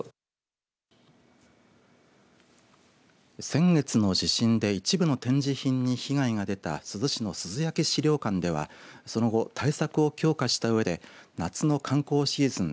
先月の地震で一部の展示品に被害が出た珠洲市の珠洲焼資料館ではその後、対策を強化したうえで夏の観光シーズン